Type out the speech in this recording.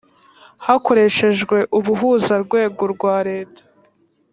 hakoreshejwe ubuhuza urwego rwa leta